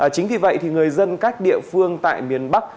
chính vì vậy người dân các địa phương tại miền bắc